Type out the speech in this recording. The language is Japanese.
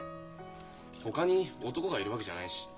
ほかに男がいるわけじゃないし。